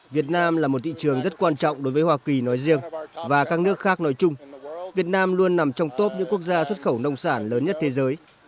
việt nam là một thị trường rất quan trọng đối với hoa kỳ nói riêng và các nước khác nói chung việt nam luôn nằm trong top những quốc gia xuất khẩu nông sản lớn nhất thế giới